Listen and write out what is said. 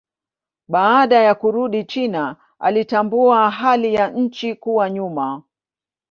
Baada ya kurudi China alitambua hali ya nchi kuwa nyuma.